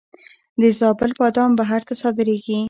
د زابل بادام بهر ته صادریږي.